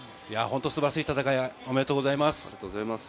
本当に素晴らしい戦い、おめでとうございます。